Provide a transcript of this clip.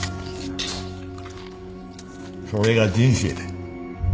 それが人生だよ。